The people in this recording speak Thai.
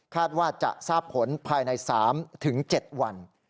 ว่าจะทราบผลภายใน๓๗วัน